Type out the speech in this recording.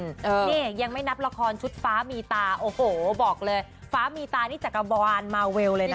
นี่ยังไม่นับละครชุดฟ้ามีตาโอ้โหบอกเลยฟ้ามีตานี่จักรวาลมาเวลเลยนะ